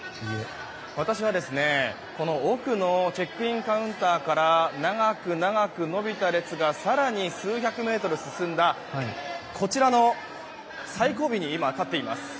私は奥のチェックインカウンターから長く長く延びた列が更に数百メートル進んだこちらの最後尾に今、立っています。